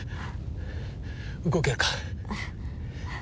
動けるか？